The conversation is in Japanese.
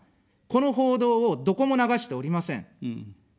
この報道を、どこも流しておりません。